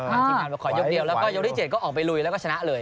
ทีมงานมาขอยกเดียวแล้วก็ยกที่๗ก็ออกไปลุยแล้วก็ชนะเลย